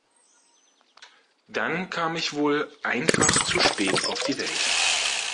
Dann kam ich wohl einfach zu spät auf die Welt.